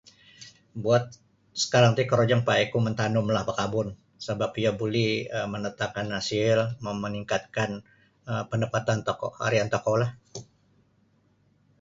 Buat sakarang ti korojo mapakaiku mantanumlah bakabun sabap iyo buli um mandatangkan hasil mama maningkatkan um pandapatan tokou harian tokoulah.